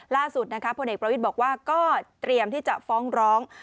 ล่าสุดนะคะพลเอกประวิทย์บอกว่าก็เตรียมที่จะฟ้องร้อง